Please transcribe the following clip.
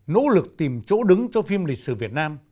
nỗ lực tìm chỗ đứng cho phim lịch sử việt nam